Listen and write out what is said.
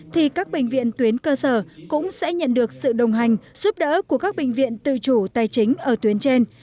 thì các bệnh viện tuyến cơ sở cũng sẽ nhận được sự đồng hành giúp đỡ của các bệnh viện tư chủ tài chính ở tuyến trên